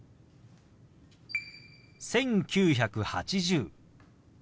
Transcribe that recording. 「１９８０」。